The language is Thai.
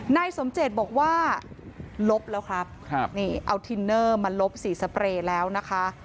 นายสมเจตบอกว่าลบแล้วครับนี่เอาทินเนอร์มาลบสีสเปรย์แล้วนะคะ